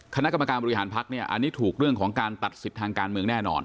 คณะกรรมการบริหารพักเนี่ยอันนี้ถูกเรื่องของการตัดสิทธิ์ทางการเมืองแน่นอน